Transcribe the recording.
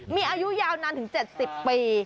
มีอายุยาวนานถึง๗๐ปี